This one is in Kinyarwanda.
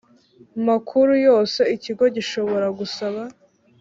makuru yose Ikigo gishobora gusaba